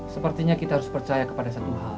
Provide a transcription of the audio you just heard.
sepertinya kita harus percaya kepada satu hal